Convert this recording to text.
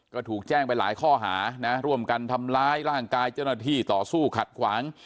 ก็ถูกแจ้งไปหลายข้อหานะร่วมกันทำร้ายร่างกายเจ้าหน้าที่ต่อสู้ขัดขวาง